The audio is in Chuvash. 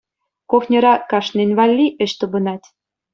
Кухньӑра кашнин валли ӗҫ тупӑнать.